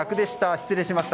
失礼しました。